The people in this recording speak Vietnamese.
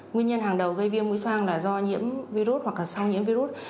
nguyên nhân hàng đầu gây viêm mũi xoang là do nhiễm virus hoặc sau nhiễm virus